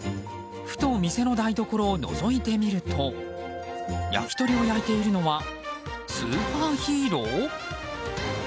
ふと、店の台所をのぞいてみると焼き鳥を焼いているのはスーパーヒーロー？